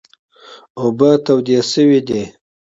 اوبه تودې شوي دي .